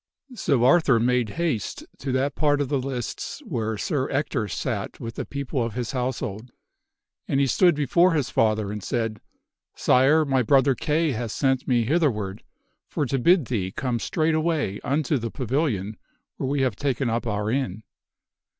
SO Arthur made haste to that part of the lists where Sir Ector sat with the people of his household. And he stood before his father and said, " Sire, my brother Kay hath sent me hitherward for to bid thee come straightway unto the pavilion where we have taken up our inn.